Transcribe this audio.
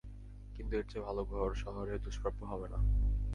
কিন্তু এর চেয়ে ভালো ঘর শহরে দুষ্প্রাপ্য হবে না।